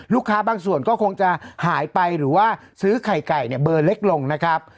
บางส่วนก็คงจะหายไปหรือว่าซื้อไข่ไก่เนี่ยเบอร์เล็กลงนะครับ